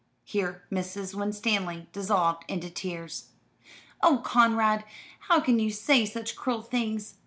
Here Mrs. Winstanley dissolved into tears. "Oh Conrad! How can you say such cruel things?"